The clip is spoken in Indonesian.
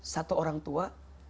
satu orang tua